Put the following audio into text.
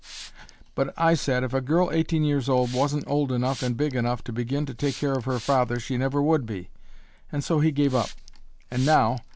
But I said if a girl eighteen years old wasn't old enough and big enough to begin to take care of her father she never would be, and so he gave up. And now!